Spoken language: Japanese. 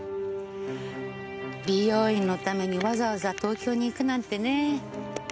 美容院のためにわざわざ東京に行くなんてねえ。